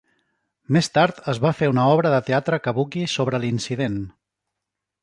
Més tard, es va fer una obra de teatre kabuki sobre l'incident.